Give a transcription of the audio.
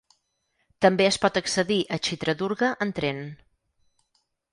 També es pot accedir a Chitradurga en tren.